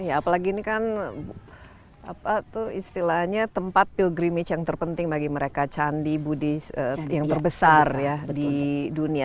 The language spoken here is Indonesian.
apalagi ini kan istilahnya tempat pil grimage yang terpenting bagi mereka candi budi yang terbesar ya di dunia